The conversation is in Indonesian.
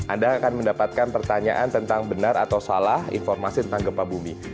anda akan mendapatkan pertanyaan tentang benar atau salah informasi tentang gempa bumi